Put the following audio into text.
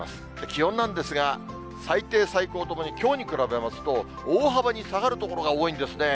気温なんですが、最低、最高ともにきょうに比べますと、大幅に下がる所が多いんですね。